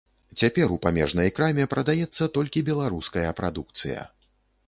Цяпер у памежнай краме прадаецца толькі беларуская прадукцыя.